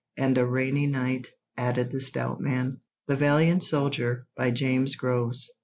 "—"And a rainy night," added the stout man. "'The Valiant Soldier,' by James Groves.